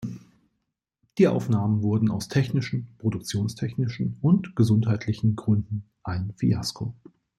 Die Aufnahmen wurden aus technischen, produktionstechnischen und gesundheitlichen Gründen ein Fiasko.